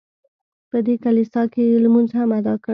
په دې کلیسا کې یې لمونځ هم ادا کړ.